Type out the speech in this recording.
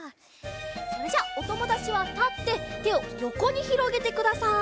それじゃあおともだちはたっててをよこにひろげてください。